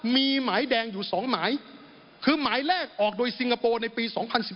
มีหมายแดงอยู่๒หมายคือหมายแรกออกโดยซิงคโปร์ในปี๒๐๑๙